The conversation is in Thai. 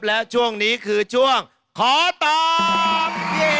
และช่วงนี้คือช่วงขอตอบ